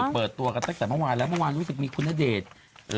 เปิดตัวกันตั้งแต่เมื่อวานแล้วเมื่อวานรู้สึกมีคุณณเดชน์